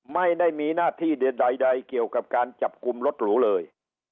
ไม่ได้มีหน้าที่ใดเกี่ยวกับการจับกลุ่มรถหรูเลย